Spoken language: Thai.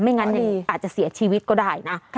งั้นอาจจะเสียชีวิตก็ได้นะ